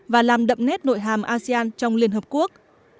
và làm đậm nét nội hàm asean trong liên hợp quốc